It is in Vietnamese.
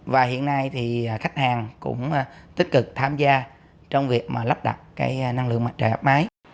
và hiện nay thì khách hàng cũng tích cực tham gia trong việc lắp đặt cái năng lượng mặt trời áp máy